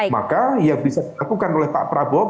maka yang bisa dilakukan oleh pak prabowo